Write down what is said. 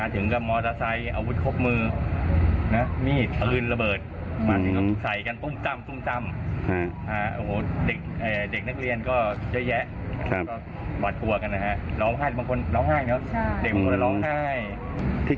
ที่เขาดีหรือว่าคนดีอย่างนี้